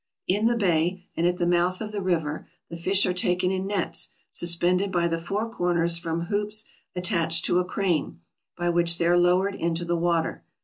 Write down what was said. In the bay, and at the mouth of the river, the fish are taken in nets, suspended by the four corners from hoops attached to a crane, by which they are lowered into the water.